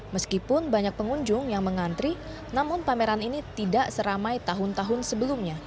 meskipun banyak pengunjung yang mengantri namun pameran ini tidak seramai tahun tahun sebelumnya